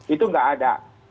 itu tidak ada